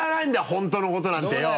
本当のことなんてよ！